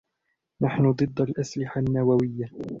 نحن ضد الأسلحة النووية.